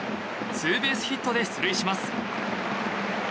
ツーベースヒットで出塁します。